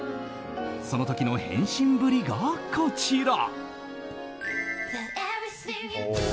その時の変身ぶりがこちら。